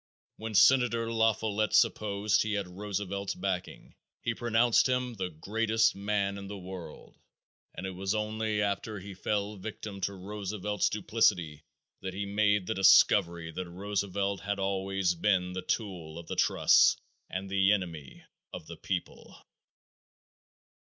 When Senator La Follette supposed he had Roosevelt's backing, he pronounced him "the greatest man in the world," and it was only after he fell victim to Roosevelt's duplicity that he made the discovery that Roosevelt had always been the tool of the trusts and the enemy of the people.